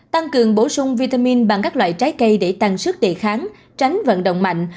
tăng cường bổ sung vitamin bằng các loại trái cây để tăng sức đề kháng tránh vận động mạnh